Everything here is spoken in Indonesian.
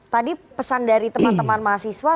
tadi pesan dari teman teman mahasiswa